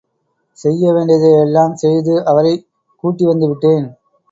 செய்யவேண்டியதை எல்லாம் செய்து—அவரைக் கூட்டி, வந்துவிட்டேன்.